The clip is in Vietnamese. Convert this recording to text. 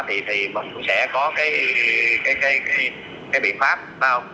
thì mình cũng sẽ có cái biện pháp phải không